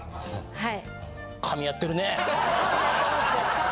はい。